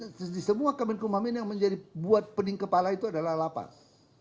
sebagai sistem di semua kami kemahamin yang menjadi buat pening kepala itu adalah lapas